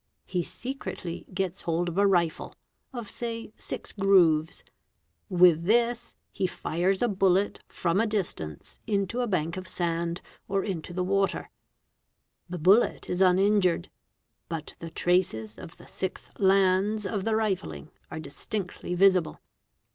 He secretly gets hold of a rifle, of say six grooves ;| with this he fires a bullet from a distance into a bank of sand or into the water: the bullet is uninjured, but the traces of the six "lands" of the rifling are distinctly visible.